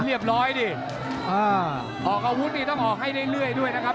เรียบร้อยดิอ่าออกอาวุธนี่ต้องออกให้เรื่อยด้วยนะครับ